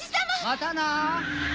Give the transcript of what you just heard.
またな！